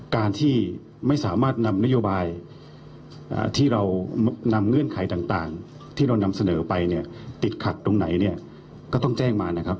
การที่ไม่สามารถนำนโยบายที่เรานำเงื่อนไขต่างที่เรานำเสนอไปเนี่ยติดขัดตรงไหนเนี่ยก็ต้องแจ้งมานะครับ